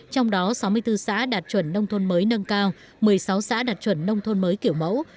trong đó sáu mươi bốn xã đạt chuẩn nông thôn mới nâng cao một mươi sáu xã đạt chuẩn nông thôn mới kiểu mẫu